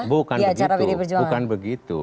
bukan begitu bukan begitu